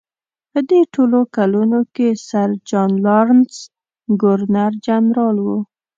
په دې ټولو کلونو کې سر جان لارنس ګورنر جنرال و.